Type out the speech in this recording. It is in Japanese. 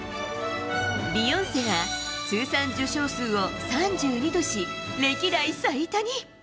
ビヨンセが、通算受賞数を３２とし、歴代最多に。